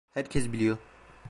Herkes biliyor.